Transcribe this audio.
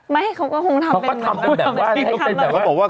ไม่เขาก็คงทำแบบว่า